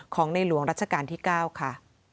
ในหลวงรัชกาลที่๙ค่ะ